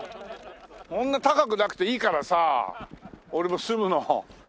そんな高くなくていいからさ俺の住むの。